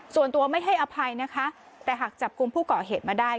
ส่วนตัวไม่ให้อภัยนะคะแต่หากจับกลุ่มผู้ก่อเหตุมาได้